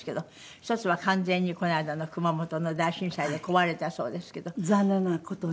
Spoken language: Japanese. １つは完全にこの間の熊本の大震災で壊れたそうですけど。残念な事にね。